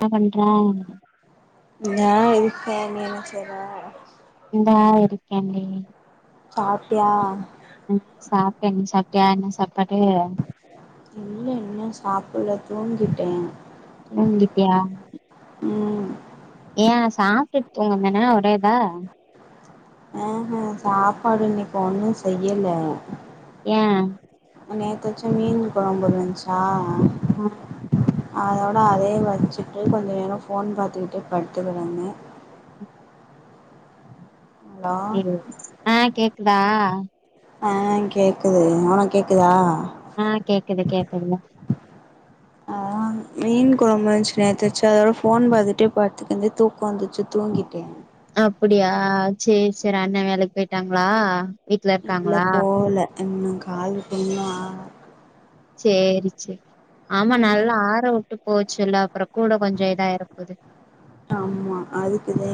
என்ன பண்ற இந்தா இருக்கே நீ என்ன செய்ற இந்தா இருக்கன்டி சாப்ட்டியா ஆஹ் சாப்ட்டே நீ சாப்டியா என்ன சாப்பாடு இல்ல இன்னு சாப்புட்ல தூங்கிட்டே தூங்கிட்டியா ம் ஏ சாப்ட்டுட்டு தூங்க வேதானே ஒரே இதா ஆஹ் ஹு சாப்பாடு இன்னைக்கு ஒன்னு செய்யல ஏ நேத்து வச்ச மீன் கொழம்பு இருந்ச்சா ஆ அதோட அதே வச்சுட்டு கொஞ்ச நேரோ ஃபோன் பாத்துட்டே படுத்துகிடந்தே ஹலோ ஆஹ் கேக்குதா ஆஹ் கேக்குது உனக்கு கேக்குதா ஆஹ் கேக்குது கேக்குதுங்க ஆஹ் வ மீன் கொழம்பு இருந்துச்சி நேத்து வச்சததோட ஃபோன் பாத்துட்டே படுத்து இருந்தே தூக்கோ வந்துச்சு தூங்கிட்டே அப்டியா சேரி சேரி அண்ணே வேலைக்கு போய்ட்டாங்களா இல்ல போகல இன்னு கால் புண்ணு ஆர சேரி சேரி ஆமா ம் நல்லா ஆறவுட்டு போச்சொல்லு அப்றோ கூட கொஞ்சோ இதாயிர போது ஆமா அதுக்குதே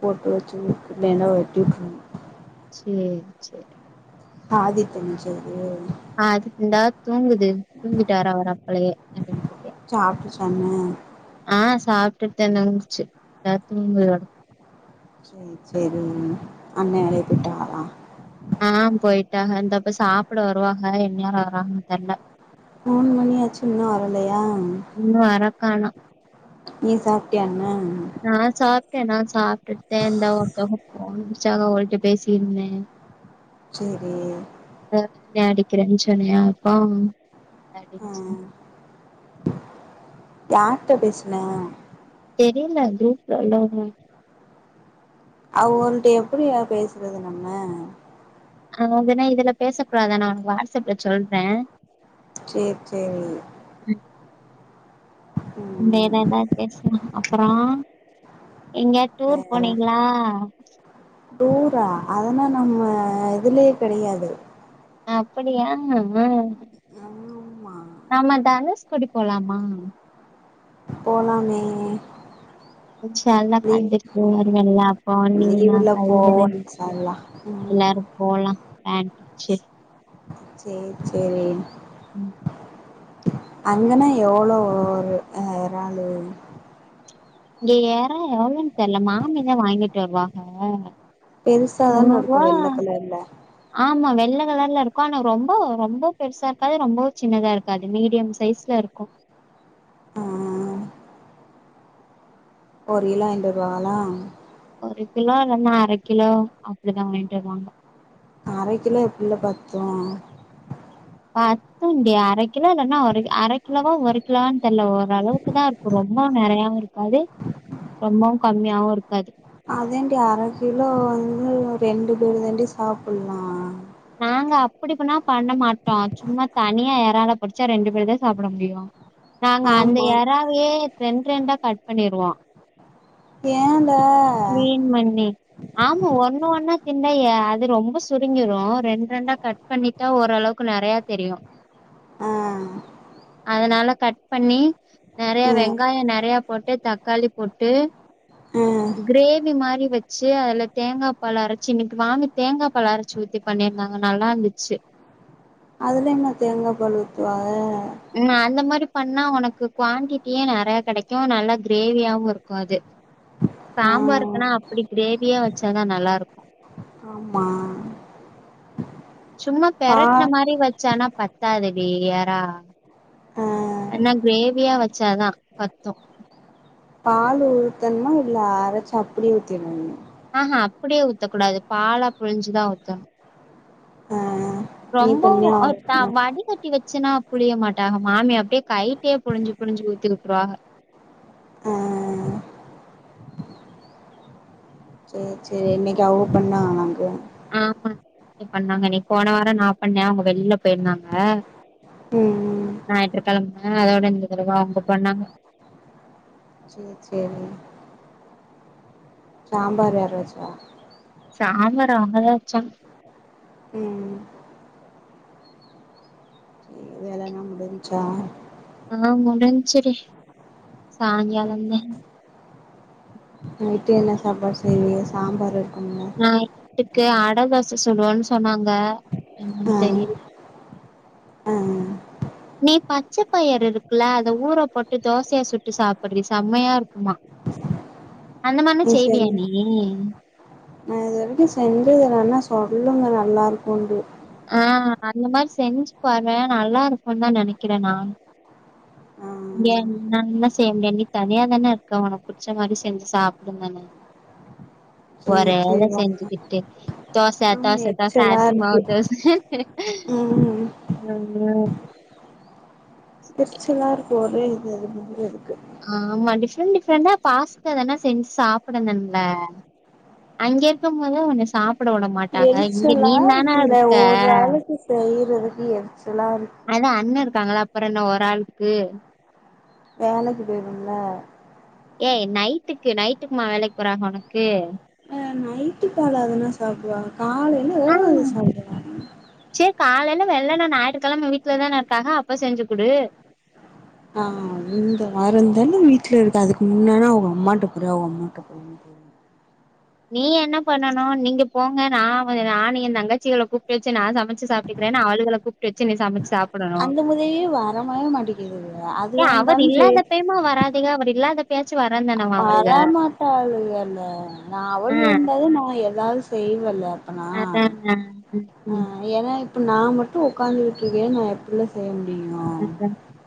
போட்டு வச்சி நெனவு வச்சு சேரி சேரி ஆதி தெனிச்சது ஆஹ் அதுக் இந்தா தூங்குது தூங்கிட்டாரு அவரு அப்பளையே சாப்ட்டு சொன்ன ஆஹ் சாப்ட்டுட்டு தா தூங்குச்சு இந்தா தூங்குது சேரி சேரி அண்ணே வேலைக்கு போய்டாங்களா ஆஹ் போய்ட்டாங்க இந்தா இப்ப சாப்பிட வருவாக என்நேரோ வராங்கன்னு தெர்ல மூணு மணியாச்சு இன்னு வரலயா இன்னு வரக்காணோ நீ சாப்ட்டியாண்ணே நா சாப்ட்டே நா சாப்ட்டுட்தே இந்தா ஒருத்தவங்க ஃபோன் அடிச்சாங்க அவுங்கள்ட பேசிட்டுருந்தே சேரி [unintelligible] இந்தா அடிக்கிறேன்னு சொன்னியா அப்போ அப்டின்னு சொன் ஆஹ் யார்ட பேசுன தெரில குருப்புல உள்ளவுங்கதா அவுங்கள்ட்ட எப்படியா பேசுறது நம்ம அவுங்க வந்துன இதுல பேச கூடாது நா உங்களுக்கு வாட்ஸ்அப்ல சொல்ற சேரி சேரி வேற ம் ஏதாது பேசு அப்பறோ எங்கயாது டூர் வேற போனீங்களா டூரா அதெல்லா நம்ம இதுலயே கிடையாது அப்படியா அ ஆமா நாம தனுஸ்கோடி போலாமா போலாமே இன்ஷா அல்லா லீவ் சந்திப்போ [unintelligible] அப்ப நீங்க [unintelligible] இன்ஷா அல்லா எல்லாரு போலா வேன் புடிச்சு சேரி சேரி ம் அங்கன்னா எவ்ளோ ஒரு அ இராலு இங்க எறா எவ்ளோன் தெர்ல மாமி தா வாங்கிட்டு வருவாங்க பெருசாதான இருக்கு முன்னூறுவா வெள்ள கலர்ல ஆமா வெள்ள கலர்ல இருக்கு ஆனா ரொம்ப ரொம்ப பெருசா இருக்காது ரொம்பவூ சின்னதா இருக் காது மீடியம் சைஸ்ல இருக்கு அ அ அ ஒரு கிலோ வாங்கிட்டு வருவாகளா ஒரு கிலோ இல்லன்னா அர கிலோ அப்படிதா வாங்கிட்டு வருவாங்க அரக்கிலோ எப்பில்ல பத்து பத்து டி அர கிலோ இல்லனா அர கிலோவா ஒரு கிலோவான் தெர்ல ஓரளவுக்கு தா இருக்கு ரொம்ப நறையாவு இருக்காது ரொம்பவு கம்மியாவு இருக்காது அதேண்டி அர கிலோ வந்து ரெண்டு பேரு தாண்டி சாப்பிட்லா நாங்க அப்படிப்பன்னா பண்ண மாட்டோ சும்மா தனியா எறாலா புடிச்சா ரெண்டு பேர்தா சாப்பட முடியு நாங்க அந்த ஆமா எறாவயே ரெண்ட் ரெண்டா கட் பண்ணிருவோ ஏல க்ளீன் பண்ணி ஆமா ஒண்ணு ஒண்ணா திண்டய அது ரொம்ப சுருங்கிரு ரெண் ரெண்டா கட் பண்ணி ட்டா ஓரளவுக்கு நறையா தெரியு ஆ அதனால கட் பண்ணி நறையா ம் வெங்காயோ நறையா போட்டு தக்காளி போட்டு ம் கிரேவி மாரி வை ச்சு அதுல தேங்கா பால் அரச்சு இன்னைக்கு மாமி தேங்கா பால் அரச்சு ஊத்தி பண்ணி இருந்தாங்க நல்லா இருந்துச்சு அதுல என்ன தேங்கா பால் ஊத்துவாக ம் அந்த மாரி பண்ணா ஒனக்கு குவான்ட்டிடியே நறையா கடைக்கு நல்லா கிரேவியாவு இருக்கு அது ஆ சாம்பாருக்குன்னா அப்படி கிரேவியா வச்சாதா நல்லா இருக்கு ஆமா சும்மா பா பெரட்டன மாரி வச்சானா பத்தாதடி எறா ஆ ஏன்னா கிரேவியா வச்சாதா பத்து பால் ஊத்தணுமா இல்ல அரச்சி அப்படியே உத்திரனுமா ஆஹா அப்படியே ஊத்தக்கூடாது பாலா புழிஞ்சுதா ஊத்தனு அ அ ரொம்ப அ த வடிக்கட் டி வச்சின்னா புளிய மாட்டாங்க மாமி அப்டியே கைலயே புழிஞ்சு புழிஞ்சு ஊத்தி உற்றுவாக ஆ சேர் சேரி இன்னக்கி அவ்ங்க பண்ணாங்கலாக்கு ஆமா இ பண்ணாங்க அன்னைக போன வாரொ நா பண்ணே அவ்ங்க வெள்ல போய்ருந்தாங்க ம் ஞாயிற்றுக்கெழம அதோட இந்த தரவ அவ்ங்க பண்ணாங்க சேர் சேரி சாம்பாரு யார் வெச்சா சாம்பார் அவ்ங்கதா வெச்சாங் ம் வேலல்லா முடிஞ்ச்சா ஆ முடிஞ்ச்சு டீ ம் நைட்டு என்ன சாப்பாடு செய்வீங்க சாம்பார் இருக்குங்க நைட்டுக்கு அட தோச சுடுவோன் சொன்னாங்க என்னன் தெரி அ அ நீ பச்ச பயற் இருக்குல அத ஊறப் போட்டு தோசையா சுட்டு சாப்புட்றீ செம்மையா இருக்குமா அந்த மான்னா நீ செய் செய்வியா நீ நா இது வரைக்கு செஞ்சது ஆனா சொல்லுங்க நல்லா இருக்குண்டு ஆ அந்த மாரி செஞ்சு பாரு நல்லா இருக்குன்தா நெனக்கிறே நா ஆ இங்க [unintelligible] செய்ய முடியா நீ தனியா தான இருக்க ஒனக்கு புடிச்ச மாரி செஞ்சி சாப்டுங்கனு சேர் சேரி செஞ்சுக்கிட்டு தோச [inaudible] அ தோச தோச எரிச்சலா அரிசி மாவு இருக்கு ம் ம் ம் ம் எரிச்சலா இருக்கு ஒரே இது இது மாரி இருக்கு ஆமா டிஃப்ரெண்ட் டிஃப்ரெண்ட்டா பாஸ்தா தானா செஞ்சு சாப்டுனன்ல அங்க இருக்கம் போதா ஒன்ன சாப்புட உட மாட்டாங்க இங்க எரிச்சலா நீந்தான இருக்க செய்றதுக்கு எரிச்சலா இருக் அதா அண்ண இருக்காங்களா அப்பறொ என்ன ஒராள்க்கு வேலக்கி போய்ரும்ல ஏய் நைட்டுக்கு நைட்டுக்குமா வேலைக் போறாங்க ஒனக்கு அ நைட்டு பால் அதுனா சாப்டுவாங்க காலைல அது சாப்டுவா சேர் காலைல வெள்ளன ஞாயிற்றுக்கெழம வீட்லதான இருக்காக அப்ப செஞ்சு குடு ஆ அந்த வாரந்தான வீட்ல இருக்க அதுக்கு முன்னனா அவுங்க அம்மான்ட்ட போற அவுங்க அம்மாட்ட போற நீ என்னப் பண்ணனு நீங்க போங்க நா வ நானு எந் தங்கச்சிகள கூப்ட்டு வெச்சு நா சமச் ச்சு சாப்ட்டுகிறேனு அவுளுகள கூப்ட்டு வெச்சு நீ சமச்சு சாப்புடணு ஆ அது வந்தாலு சே அப்பைமா வராதீங்க அவர் இல்லாதப் பயாச்சி வர வரமாட்டாளுகல்ல நா அவளுக ஆ இருந்தாதா நா எதாவ்து செய்வல்ல டனா அதாங்க ம் ம் அ ஏனா இப்ப நா மட்டு ஒக்காந்துருக்க இங்க நா எப்புல்ல செய்ய முடியு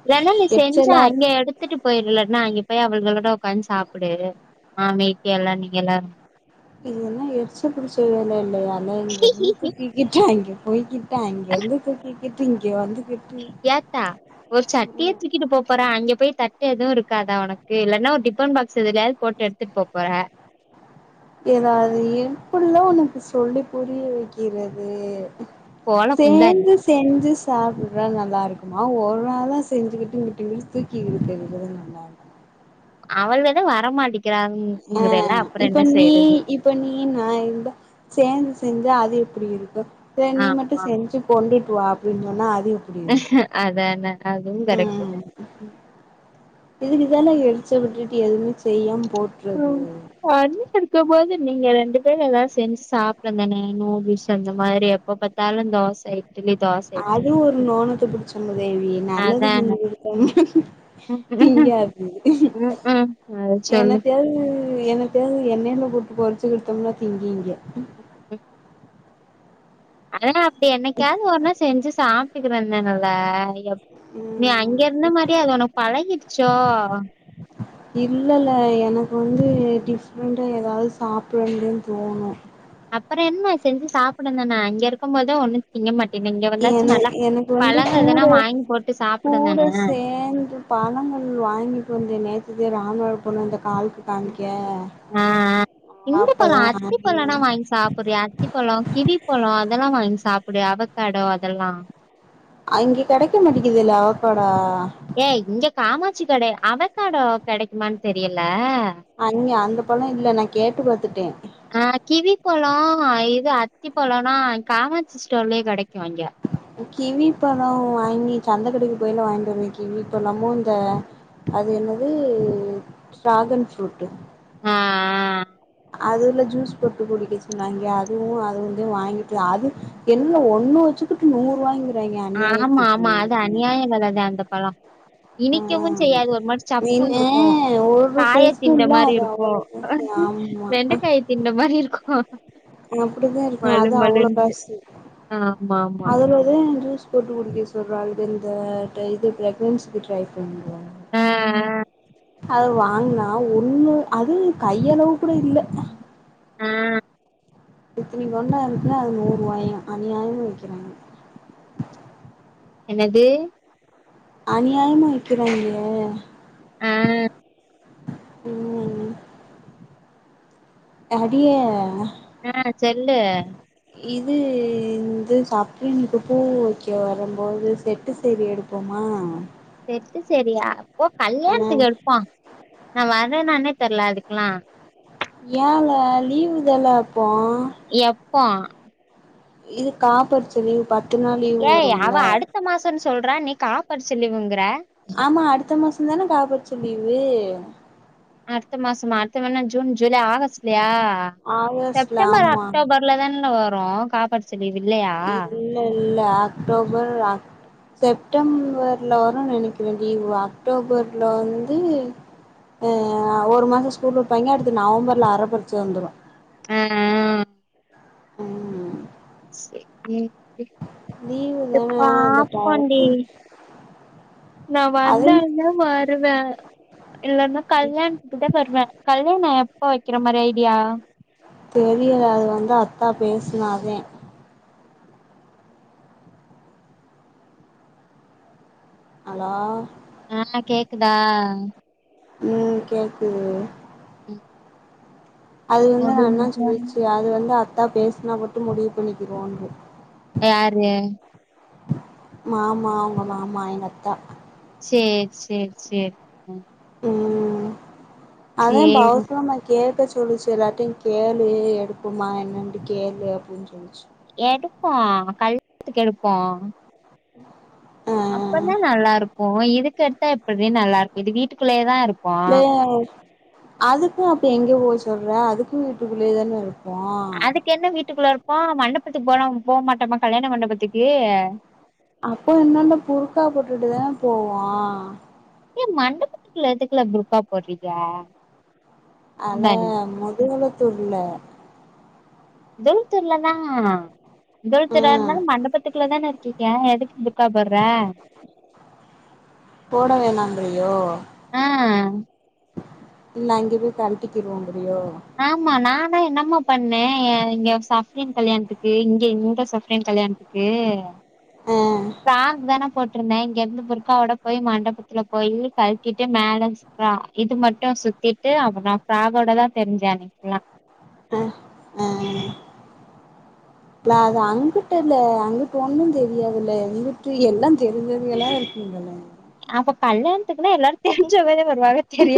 வேணா நீ செஞ்சா எரிச்சலா அங்க இருக்கு எடுத் த்துட்டு போய்ரு இல்லாட்னா அங்க போய் அவளுகளோட உக்காந்து சாப்புடு ஆமைக்கு எல்லா நீங்க எல்லா இது எல்லா எரிச்ச புடிச்ச வேல இல்லையா இத இங்கேர்ந்து தூக்குக்கிக்கிட்டு அங்க போயிக்கி ட்டு அங்கேர்ந்து தூக்கிக்கிட்டு இங்க வந்துக்கிட் ஏத்தா ஒரு சட்டிய தூக்கிட்டு போப்போறா அங்க போய் தட்டு எதுவு இருக்காதா ஒனக்கு இல்லனா ஒரு டிஃபன் பாக் சதுலியாத் போட்டு எடுத்துட் போப்போற எதாது இன் இப்பிடிலா ஒனக்கு சொல்லிப் புரிய வெக்கிறது போல குந்தாணி சேந்துச் செஞ்சு சாப்பிட்றா நல்லாருக்குமா ஒருவேள செஞ்சிகிட்டுங் கிட்டிங்கின் தூக்கிகிட்டு [inaudible] அவளேதா வரமாட்டிகிறாங் இங்குதேல்ல அப்பறோ என்ன செய்றது இப்போ நீ நா இருந்தா சேந்து செஞ்சா அது எப்டி இருக்கு சே நீ மட்டு ஆமா செஞ்சி கொண்டுட் வா அப்டின் சொன்னா அதுயுப் அதான அதுவுங் கரெக்ட்டுதா இதுகுதா நா எழ்ச்ச விட்டுட்டு எதுவுமே செய்யாம் போட்ரு ம் அண்ட்ருக்கம்போது நீங்க ரெண்டு பேரு எதா செஞ்சு சாப்டுங்கணே நூடுல்ஸ் அந்த மாரி அப் ப்ப பாத்தாலுந் தோசை டிலிதாச் அது ஒரு நோனத்தப் புடிச்ச முதேவி நல்லது அதான செஞ்சி குடுத்தம்னா ம் திங்காது ம் அத சொல்லு எனத்யாது எனத்யாது எண்ணெல போட்டு பொரிச்சு குடுத்தோம்னா திங்கிங்க ஆனா அப்டி என்னைக்காது ஒர்னா செஞ்சு சாப்ட்டுக்குற என்னனல்ல எப் நீ ம் அங்கே இருந்த மாரியே அது ஒனக் பழகிடுச்சோ இல்லல எனக்கு வந்து டிஃபரண்டா எதாவுது சாப்புறந்துன் தோணு அப்பறோ என்ன செஞ்சு சாப்பிடுந்தன்ன இங்க இருக்கம்போதுதா ஒன்னுந் திங்க மாட்டனே இங்க என வந்தாச்சு நல்லாப் எனக்கு வந்து பழங்க கூட எதனா வாங்கி போட்டு கூட சாப்பிடுந்தன சேந்து பழங்கள் வாங்கிட்டு வந்து நேத்துதே ராணுவ பொண்ண இந்த காக்க்கு காம்கே ஆ ஆ இந்த அப்பதா வாங்னா த்திப்பழோ கிவிப்பழோ அதெல்லா வாய்ங் சாப்பிடு அவக்கேடோ அதெல்லா அங்க கெடைக்க மாட்டிகிதுல்ல அவக்கோடோ ஏய் இங்க காமாச்சி கடை அவக்காடோ கெடைக்குமான் தெரியல அங்கே அந்த பழோ இல்ல நா கேட்டு பாத்துட்டே ஆ கிவிப்பழோ அ இது அத்திப்பழோனா இங் காமாச்சி ஸ்டோர்லியே கெடைக்கு இங்க கிவி பழொ வாங்கி சந்த கடைக்கி போகைல வாங்கிட்டு வருவே கிவி பழமு இந்த அது என்னது ட்ராகன் ஃப்ரூட்டு ஆ ஆ அதுல ஜூஸ் போட்டு குடிக்க சொன்னாங்க அதுவு அது வந்து வாங்கிட்டு அது என்ன ஒன்னு வெச்சுகிட்டு நூர்வா கிறா ஆமா ஆமா அது அநியாய வில தா அந்த பழோ இனிக்கவு ஆமா செய்யாது ஒரு மாரி சப்புன்னு மீனு இருக்கு ஒரு காய டேஸ்ட்டு தின்ட இல்ல மாரி அது இருக்கு அவ்ளோ காசு ஆமா வெண்டக்காய தின்ட மாரி இருக்கு அப்டிதா இருக்கு மழு அது அவ்ளோக் மழுன்ட்டு காசு ஆமா ஆமா அதுல ஒ இப்பதே ஜூஸ் போட்டு குடிக்க சொல்றாரு இது இந்த ட்ரே இது ப்ரெக்னன்சிக்கு ட்ரைப் பண்றோ அ அ அத வாங்னா ஒன்னு அது கையளவு கூட இல்ல ஆ இத்தினி கொண்டாருக்யா அது நூறுவாயா அநியாயமா விக்கிறாங்க என்னது அநியாமா விக்கிறாய்ங்க ஆ ம் ம் அடிய ஆ செல்லு இது இந்த சப்பனுக்கு பூ வெக்கே வரும்போது செட்டு செரி எடு போமா செட்டு செரி ஆ அப்போ கல்யாணத்துக் எடுப்பா நா வரன்னானே தெர்ல அதுக்லா ஏல லீவு தாலே இப்போ எப் பா இது கா பரிச்ச லீவு பா ஏய் அவ அடுத்த மாசோன் சொல்றா நீ காபரிச்ச லீவுங்குற ஆமா அடுத்த மாசந்தானே காபரிச்ச லீவு அடுத்த மாசமா அடுத்த மான்னா ஜூன் ஜூலை ஆகஸ்ட் லெயா ஆகஸ்ட்ல செப்டம்பர் ஆமா அக்டோபர் ல தான்ன வரு காபரிச்ச லீவு இல்லெயா இல்ல இல்ல அக்டோபர் அக் செப்டம்பர்ல வரு நெனக்கிற லீவு அக்டோபர்ல வந்து ஆ ஒரு மாசோ ஸ்கூல் வெப்பாய்ங்க அடுத்து நவம்பர்ல அர பருச்ச வந்துரு ஆ ம் செரி லீவு எ தான அந்த பாப்போ டி டையத்துக்கு நா அதுவு வந்தாதா வருவே இல்லன்னா கல்யாண துக்கு தா வர்வே கல்யாண எப்ப வெக்கெற மாரி ஐடியா தெரியல அது வந்து அத்தா பேசுனா தே ஹலோ ஆ கேக்குதா ம் கேக்குது ம் அது வந்து நா அண்ணா முடிஞ்சா சொல்லிச்சு அது வந்து அத்தா பேசுனா மட்டு முடிவு பண்ணிக்கிறோன்ட்டு யாரு மாமா உங்க மாமா எங்க அத்தா சேரி சேரி சேரி ம் ம் அதா சேரி பௌஷா மே கேக்க சொல்லுச்சு எல்லார்ட்டையு கேளு எடுப்பொமா என்னன்ட்டு கேளு அப்பிடின்னு சொல்ச்சு எடுப்போ கல்யாண்த்துக்கு எடுப்போ ஆ அப்பதா நல்லா இருக்கோ இதுக்கு எடுத்தா எப்புட்ரி நல்லா இருக் இது வீட்டுக்குள்ளயே தா இருக் லே அதுக்கு அப்ப எங்க போய் சொல்ற அதுக்கு வீட்டுக்குள்ளே தானே இருப் போ கென்ன வீட்டுக்குள்ள இருப்போ மண்டபத்துக்கு போலாம் போ மாட்டோமா கல்யாண மண்டபத்துக்கு அப்போ என்னாண்ட புர்கா போட்டுட்டு தானே போவோ ஏ மண்டபத்துக்குல எதுக்குல புர்கா போட்றீங்கெ ஆன முதுகளத்தூர்ல துல்தூர்ல தா ஆ துல்தூர்ரா இருந்தாலு மண்டபத்துக்குள்ள தானே இருக்கீங்க எதுக் புர்கா போட்ற போட வேணான்ரியோ ஆ இல்ல அங்கெ போய் கழட்டிக்கிருவோங்ரியோ ஆமா நானா என்னமா பண்ணே ஏ இங்க சஃப்ரின் கல்யாண்த்துக்கு இங்க இந்த சஃப்ரின் கல்யாண்த் க்கு ஆ காச் தான போட்டிருந்தே இங்கிருந்து புர்காவோட போய் மண்டபத்துல போய் கழ்த்தீட்டு மேல சிக்க இது மட்டு சுத்தி ட்டு அப்பறோ ஃப்ராக்கோட தா திரிஞ்ச அன்னிக்கிலா அ ஆ ல அது அங்குட்டுல அங்குட்டு ஒன்னு தெரியாதுல்ல இங்குட்டு எல்லா தெரிஞ்சவங்களா இருக்குங்கல அப்ப கல்யாணத்துக்குன்னா எல்லாரு தெரிஞ்சவதெ வருவாஹ தெரி